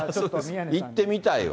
行ってみたいわ。